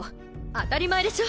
当たり前でしょ。